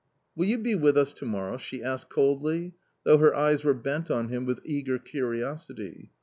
" Will you be with us to morrow ?" she asked coldly, though her eyes were bent on him with eager curiosity.